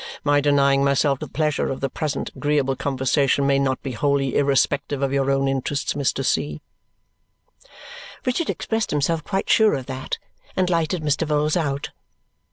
My denying myself the pleasure of the present agreeable conversation may not be wholly irrespective of your own interests, Mr. C." Richard expressed himself quite sure of that and lighted Mr. Vholes out.